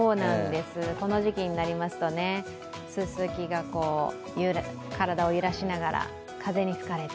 この時期になりますとすすきが体を揺らしながら風に吹かれて。